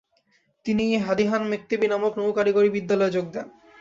তিনি হাদিহান মেক্তেবি নামক নৌ কারিগরি বিদ্যালয়ে যোগ দেন।